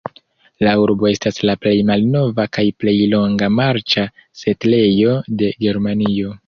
La urbo estas la plej malnova kaj plej longa marĉa setlejo de Germanio.